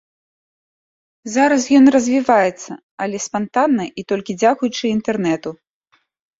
Зараз ён развіваецца, але спантанна і толькі дзякуючы інтэрнэту.